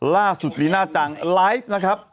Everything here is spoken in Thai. ลีน่าจังไลฟ์นะครับ